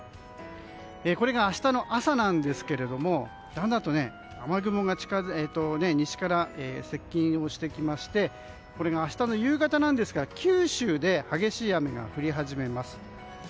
これが明日の朝なんですけれどもだんだんと雨雲が西から接近してきまして明日の夕方なんですが九州で激しい雨が降り始めます。